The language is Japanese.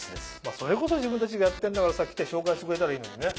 それこそ自分たちがやってんだから来て紹介してくれたらいいのにね。